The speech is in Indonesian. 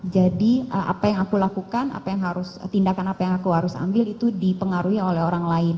jadi apa yang aku lakukan apa yang harus tindakan apa yang aku harus ambil itu dipengaruhi oleh orang lain